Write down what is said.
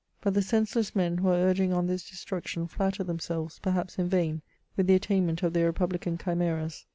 But the senseless men who are ui^ug on this destruction flatter themselves, perhaps in vain, with the attainment of their republican chimeras.